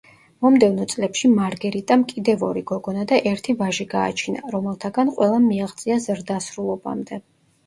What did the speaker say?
მომდევნო წლებში მარგერიტამ კიდევ ორი გოგონა და ერთი ვაჟი გააჩინა, რომელთაგან ყველამ მიაღწია ზრდასრულობამდე.